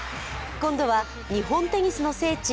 今度は日本テニスの聖地